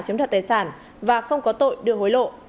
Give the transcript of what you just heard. chấm thật tài sản và không có tội đưa hối lộ